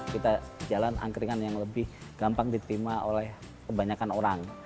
kita jalan angkringan yang lebih gampang diterima oleh kebanyakan orang